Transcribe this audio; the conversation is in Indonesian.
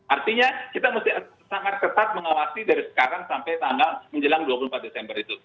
artinya kita mesti sangat ketat mengawasi dari sekarang sampai tanggal menjelang dua puluh empat desember itu